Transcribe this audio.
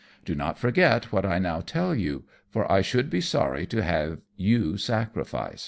Do not forget what I now tell you, for I should be sorry to have you sacrificed."